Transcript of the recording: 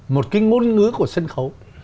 một cái ngôn ngữ của sân khấu